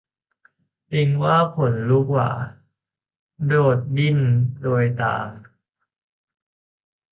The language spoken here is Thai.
ลิงว่าผลลูกหว้า โดดดิ้นโดยตาม